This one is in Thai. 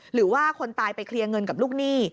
หรือว่าคนตายไปเคลียร์เงินกับลูกหนี้